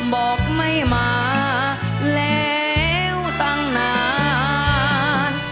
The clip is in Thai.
บอกไม่มาแล้วตั้งนาน